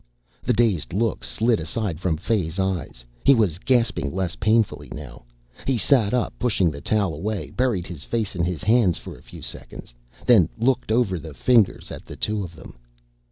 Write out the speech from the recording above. The dazed look slid aside from Fay's eyes. He was gasping less painfully now. He sat up, pushing the towel away, buried his face in his hands for a few seconds, then looked over the fingers at the two of them.